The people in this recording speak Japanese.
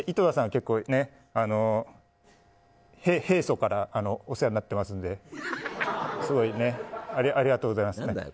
結構、平素からお世話になってますのですごいありがとうございます。